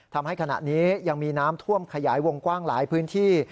ทำให้ขณะนี้ยังมีน้ำท่วมขยายวงกว้างหลายพื้นที่